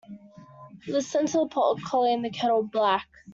Listen to the pot calling the kettle black.